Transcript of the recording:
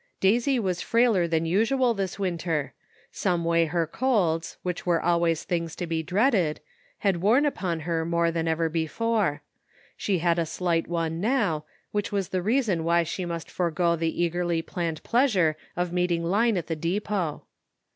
Daisy was frailer than usual this winter. Some way her colds, which were always things to be dreaded, had worn upon her more than ever before ; she had a slight one now, which was the reason why she must forego the eagerly planned pleasure of meeting Line at the depot.